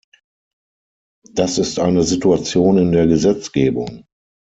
Das ist eine Situation in der Gesetzgebung.